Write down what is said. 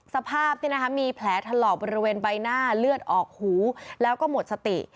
สภาพมีแผลถลอกบริเวณใบหน้าเลือดออกหูแล้วก็หมดสติ